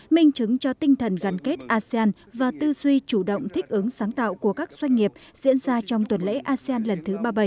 minh chứng cho tinh thần gắn kết asean và tư duy chủ động thích ứng sáng tạo của các doanh nghiệp diễn ra trong tuần lễ asean lần thứ ba mươi bảy